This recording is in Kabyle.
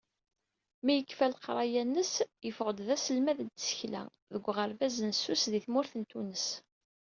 Mi yekfa leqraya-ines, yeffeɣ-d d aselmad n tsekla deg uɣerbaz n Sus di tmurt n Tunes.